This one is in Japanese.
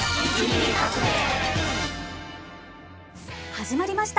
始まりました。